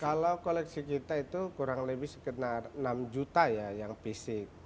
kalau koleksi kita itu kurang lebih sekitar enam juta ya yang fisik